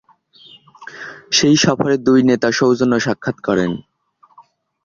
সেই সফরে দুই নেতা সৌজন্য সাক্ষাৎ করেন।